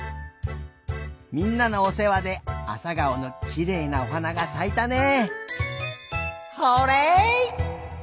みんなのおせわであさがおのきれいなおはながさいたね。